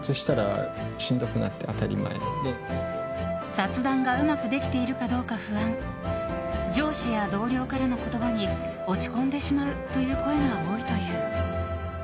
雑談がうまくできているかどうか不安上司や同僚からの言葉に落ち込んでしまうという声が多いという。